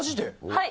はい。